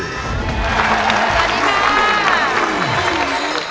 สวัสดีครับ